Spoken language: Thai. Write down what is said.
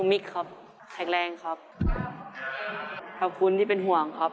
มิกครับแข็งแรงครับขอบคุณที่เป็นห่วงครับ